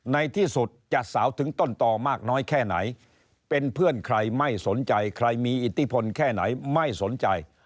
ในที่สุดจะสาวถึงต้นต่อมากน้อยแค่ไหนเป็นเพื่อนใครไม่สนใจใครมีอิทธิพลแค่ไหนไม่สนใจ